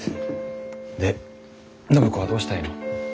で暢子はどうしたいの？